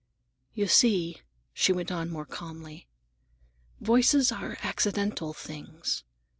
"You see," she went on more calmly, "voices are accidental things.